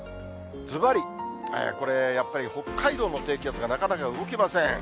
ずばり、これ、やっぱり、北海道の低気圧がなかなか動きません。